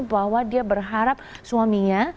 bahwa dia berharap suaminya